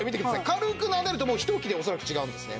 軽くなでるともう一拭きで恐らく違うんですねほら。